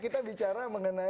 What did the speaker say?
kita bicara mengenai